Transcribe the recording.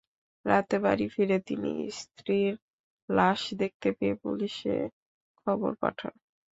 রাতে বাড়ি ফিরে তিনি স্ত্রীর লাশ দেখতে পেয়ে পুলিশে খবর পাঠান।